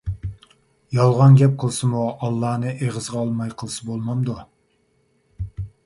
يالغان گەپ قىلسىمۇ ئاللانى ئېغىزغا ئالماي قىلسا بولمامدۇ.